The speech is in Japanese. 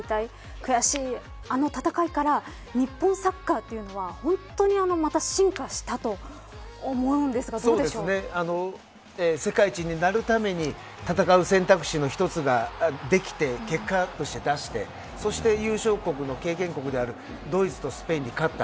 悔しいあの戦いから日本サッカーというのは本当に、また進化したと世界一になるために戦う選択肢の一つができて結果として出してそして優勝国の経験国であるドイツとスペインに勝った。